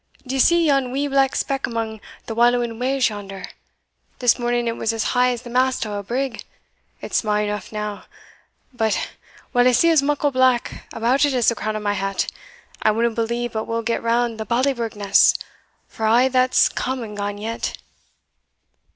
D'ye see yon wee black speck amang the wallowing waves yonder? This morning it was as high as the mast o' a brig it's sma' eneugh now but, while I see as muckle black about it as the crown o' my hat, I winna believe but we'll get round the Ballyburgh Ness, for a' that's come and gane yet."